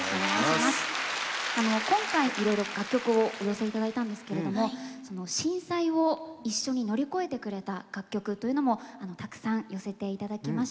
今回いろいろ楽曲をお寄せいただいたんですけれども震災を一緒に乗り越えてくれた楽曲というのもたくさん寄せていただきました。